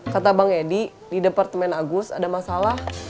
kata bang edi di departemen agus ada masalah